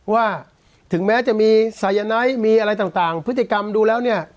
ว่าถึงแม้จะมีสายไนท์มีอะไรต่างพฤติกรรมดูแล้วเนี่ย